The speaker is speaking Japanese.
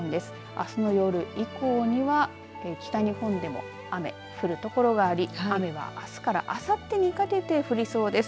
あすの夜以降には北日本でも雨降るところがあり雨はあすからあさってにかけて降りそうです。